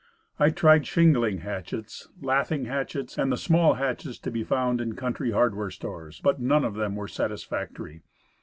I tried shingling hatchets, lathing hatchets, and the small hatchets to be found in country hardware stores, but none of them were satisfactory.